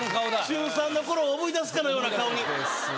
中３の頃を思い出すかのような顔に。